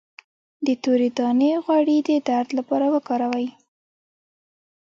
د تورې دانې غوړي د درد لپاره وکاروئ